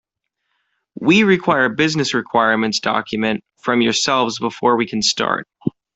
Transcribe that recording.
We require a business requirements document from yourselves before we can start.